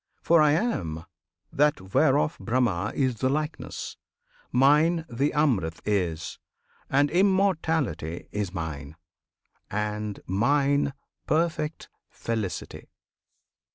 For I am That whereof Brahma is the likeness! Mine The Amrit is; and Immortality Is mine; and mine perfect Felicity!